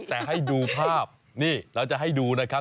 แต่ให้ดูภาพนี่เราจะให้ดูนะครับ